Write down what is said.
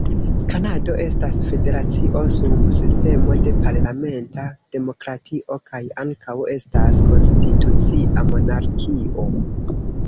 Kanado estas federacio sub sistemo de parlamenta demokratio, kaj ankaŭ estas konstitucia monarkio.